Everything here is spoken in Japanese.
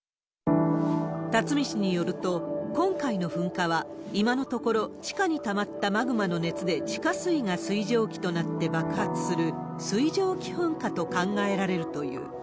巽氏によると、今回の噴火は、今のところ地下にたまったマグマの熱で地下水が水蒸気となって爆発する水蒸気噴火と考えられるという。